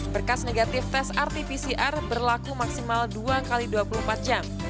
berkas negatif tes rt pcr berlaku maksimal dua x dua puluh empat jam